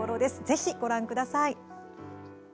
ぜひご覧ください。